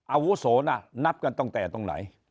อาวุโสน่ะนับกันตั้งแต่ตรงไหน